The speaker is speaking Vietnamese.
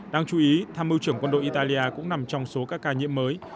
đang chú ý tham mưu trưởng quân đội italia cũng nằm trong số ca ca nhiễm mới